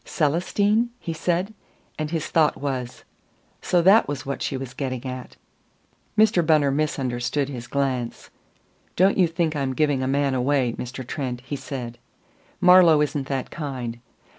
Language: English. "Célestine!" he said; and his thought was: "So that was what she was getting at!" Mr. Bunner misunderstood his glance. "Don't you think I'm giving a man away, Mr. Trent," he said. "Marlowe isn't that kind.